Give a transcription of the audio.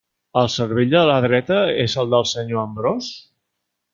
El cervell de la dreta és el del senyor Ambròs?